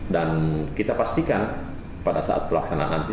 dan kita pastikan pada saat pelaksanaan nanti